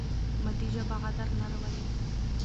مادي ژبه غدر نه راولي.